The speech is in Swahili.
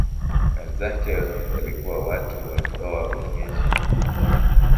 Wenzake walikuwa watu wa ndoa wenyeji.